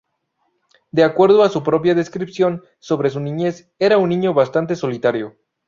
De acuerdo a su propia descripción sobre su niñez, era un niño bastante solitario.